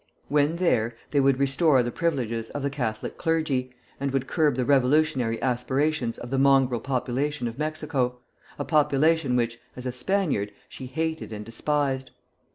When there, they would restore the privileges of the Catholic clergy, and would curb the revolutionary aspirations of the mongrel population of Mexico, a population which, as a Spaniard, she hated and despised.